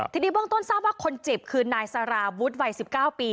ทีนี้เบื้องต้นทราบว่าคนเจ็บคือนายสาราวุฒิวัย๑๙ปี